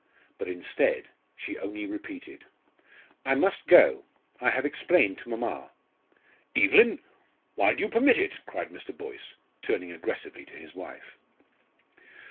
But, instead, she only repeated: "I must go, I have explained to mamma." "Evelyn! why do you permit it?" cried Mr. Boyce, turning aggressively to his wife.